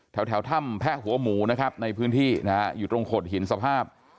แถวถ้ำแพะหัวหมูนะครับในพื้นที่นะฮะอยู่ตรงโขดหินสภาพ